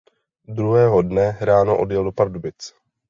Druhého dne ráno odjel do Pardubic.